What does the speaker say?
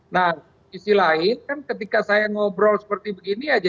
nah sisi lain kan ketika saya ngobrol seperti begini aja